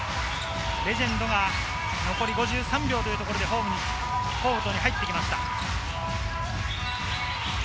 レジェンドが残り５３秒というところでコートに入ってきました。